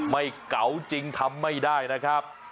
เก่าจริงทำไม่ได้นะครับ